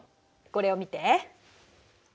これを見て。